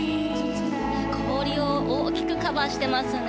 氷を大きくカバーしていますね。